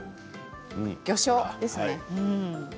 魚醤ですね。